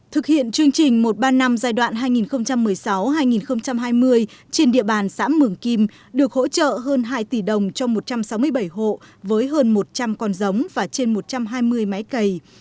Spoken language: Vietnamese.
thực hiện chương trình một trăm ba mươi năm giai đoạn hai nghìn một mươi sáu hai nghìn hai mươi trên địa bàn xã mường kim được hỗ trợ hơn hai tỷ đồng cho một trăm sáu mươi bảy hộ với hơn một trăm linh con giống và trên một trăm hai mươi máy cầy